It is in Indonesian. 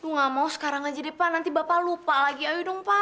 nggak mau sekarang aja di pak nanti bapak lupa lagi ayo dong pak